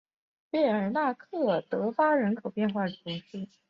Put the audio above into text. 贝尔纳克德巴人口变化图示